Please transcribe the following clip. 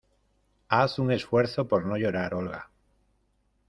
Haz un esfuerzo por no llorar, ¡Olga!